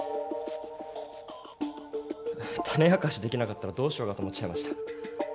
種明かしできなかったらどうしようかと思っちゃいました。